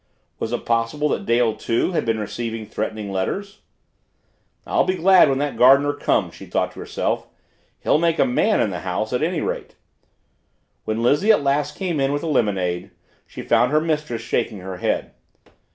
Was it possible that Dale, too, had been receiving threatening letters? I'll be glad when that gardener comes, she thought to herself. He'll make a MAN in the house at any rate. When Lizzie at last came in with the lemonade she found her mistress shaking her head.